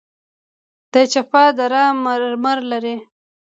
د چپه دره مرمر لري